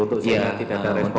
untuk tidak ada respon